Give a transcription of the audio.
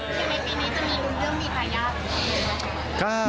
ใช่ไหมปีนี้จะมีรุ่นเรื่องมีไทยาท